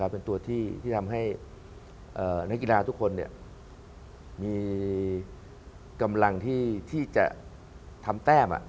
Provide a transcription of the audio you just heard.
เป็นตัวที่ทำให้นักกีฬาทุกคนมีกำลังที่จะทำแต้ม